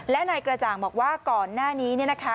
และนายกระจ่างบอกว่าก่อนหน้านี้เนี่ยนะคะ